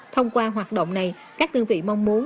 thông qua hoạt động này các đơn vị mong muốn